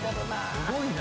すごいな。